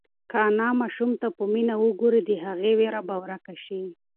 که انا ماشوم ته په مینه وگوري، د هغه وېره به ورکه شي.